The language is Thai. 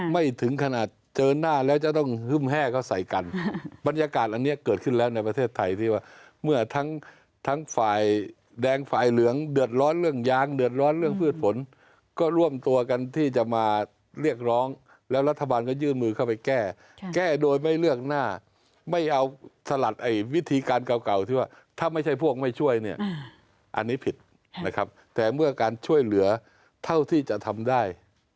ไม่ถึงขนาดเจอหน้าแล้วจะต้องฮึ่มแห้เขาใส่กันบรรยากาศอันนี้เกิดขึ้นแล้วในประเทศไทยที่ว่าเมื่อทั้งฝ่ายแดงฝ่ายเหลืองเดือดร้อนเรื่องยางเดือดร้อนเรื่องพืชผลก็ร่วมตัวกันที่จะมาเรียกร้องแล้วรัฐบาลก็ยืนมือเข้าไปแก้แก้โดยไม่เลือกหน้าไม่เอาสลัดไอ้วิธีการเก่าที่ว่าถ้าไม่ใช